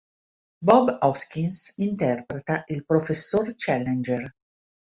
Bob Hoskins interpreta il professor Challenger.